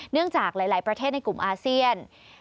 จากหลายประเทศในกลุ่มอาเซียน